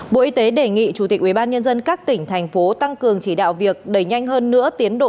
bộ y tế đề nghị chủ tịch ubnd các tỉnh thành phố tăng cường chỉ đạo việc đẩy nhanh hơn nữa tiến độ